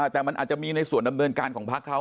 แต่มันอาจจะมีในส่วนดำเนินการของพักเขา